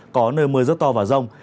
có nơi mưa rất to và rông